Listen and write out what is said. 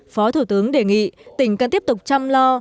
phó thủ tướng đề nghị tỉnh cần tiếp tục chăm lo